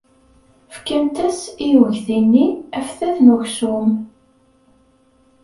Fkant-as i uydi-nni aftat n uksum.